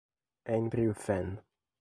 Andrew Fenn